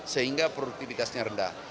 sehingga produktivitasnya rendah